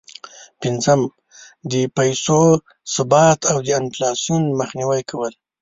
پنځم: د پیسو ثبات او د انفلاسون مخنیوی کول.